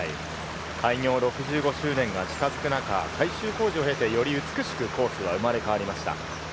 開業６５周年が近づく中、改修工事を経て、より美しくコースが生まれ変わりました。